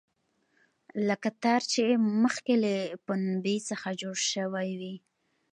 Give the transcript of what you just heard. لکه تار چې مخکې له پنبې څخه جوړ شوی وي.